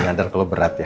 gak ada kalo berat ya